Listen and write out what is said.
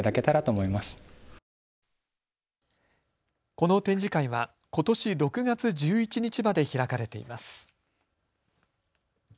この展示会はことし６月１１日まで開かれています。